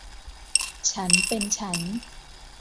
ฉันเป็นฉัน